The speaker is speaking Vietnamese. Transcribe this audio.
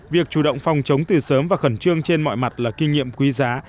việc chủ động phòng chống từ sớm và khẩn trương trên mọi mặt là kinh nghiệm quý giá